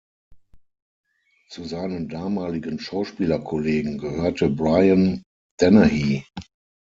Zu seinen damaligen Schauspielerkollegen gehörte Brian Dennehy.